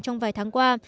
trong vài tháng qua